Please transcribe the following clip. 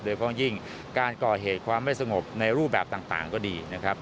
โดยเพราะยิ่งการก่อเหตุความไม่สงบในรูปแบบต่างก็ดีนะครับ